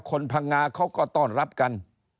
พังงาเขาก็ต้อนรับกัน